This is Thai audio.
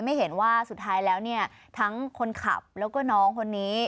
ไม่เห็นว่าสุดท้ายแล้วเนี่ยทั้งคนขับแล้วก็น้องคนนี้